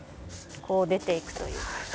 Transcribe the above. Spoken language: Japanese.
こう出ていくという。